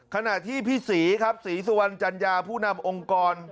ขณะที่พี่ศรีครับศรีสุวรรณจัญญาผู้นำองค์กร